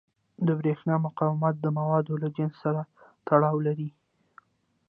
د برېښنا مقاومت د موادو له جنس سره تړاو لري.